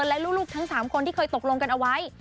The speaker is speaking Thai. และลูกทั้ง๓คนที่เคยตกลงกันเอาไว้